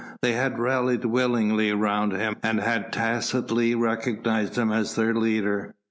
They had rallied willingly round him and had tacitly recognised him as their leader.